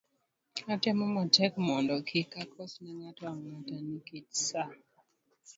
atemo matek mondo kik akos ne ng'ato ang'ata nikech saa,